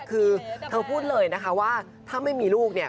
คือเธอพูดเลยนะคะว่าถ้าไม่มีลูกเนี่ย